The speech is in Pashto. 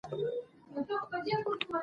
اصلي کرکټر په کیسو کښي معمولآ مثبت رول لري.